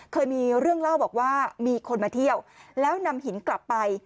เคยมีเรื่องเล่าบอกว่ามีคนมาเที่ยวแล้วนำหินกลับไป